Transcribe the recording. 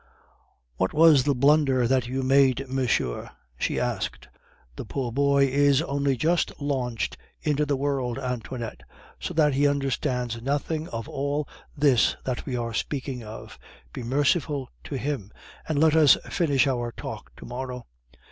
"What was the blunder that you made, monsieur?" she asked. "The poor boy is only just launched into the world, Antoinette, so that he understands nothing of all this that we are speaking of. Be merciful to him, and let us finish our talk to morrow.